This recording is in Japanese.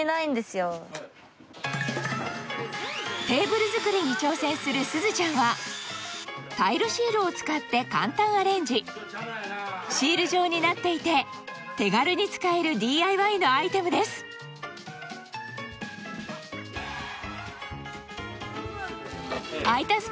テーブル作りに挑戦するすずちゃんはタイルシールを使って簡単アレンジシール状になっていて手軽に使えるＤＩＹのアイテムです空いた